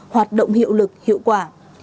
hoạt động hiệu lực hiệu quả